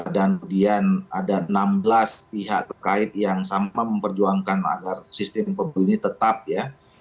dan kemudian ada enam belas pihak terkait yang sama memperjuangkan agar sistem pemilu ini tetap ya